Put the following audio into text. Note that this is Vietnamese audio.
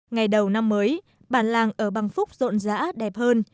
ngày đầu năm mới bản làng ở bang phúc rộn rã đẹp hơn